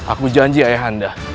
aku janji ayah anda